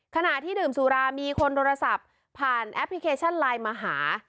ขณะที่ดื่มสุรามีคนโทรศัพท์ผ่านแอปพลิเคชันไลน์มาหา